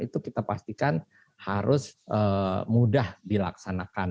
itu kita pastikan harus mudah dilaksanakan